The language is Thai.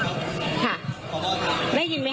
คุณส่วนตัวคุณครับปัญหาการเงินหรือว่านี่สีที่ที่บอก